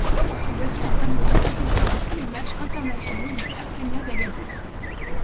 Voici un tableau récapitulant tous les matchs internationaux du Hassania d'Agadir.